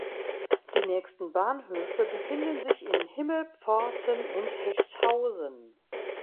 Die nächsten Bahnhöfe befinden sich in Himmelpforten und Hechthausen.